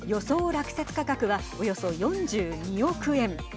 落札価格はおよそ４２億円。